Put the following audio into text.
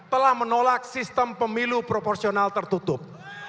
telah menolak sistem pemilu proporsional tertutup